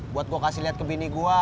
buat gue kasih lihat ke bini gue